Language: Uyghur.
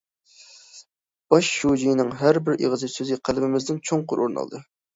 باش شۇجىنىڭ ھەر بىر ئېغىز سۆزى قەلبىمىزدىن چوڭقۇر ئورۇن ئالدى.